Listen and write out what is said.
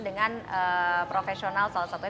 dengan profesional salah satunya